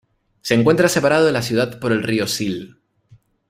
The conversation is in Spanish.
Se encuentra separada de la ciudad por el río Sil.